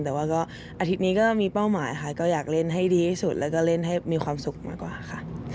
แต่ว่าก็อาทิตย์นี้ก็มีเป้าหมายค่ะก็อยากเล่นให้ดีที่สุดแล้วก็เล่นให้มีความสุขมากกว่าค่ะ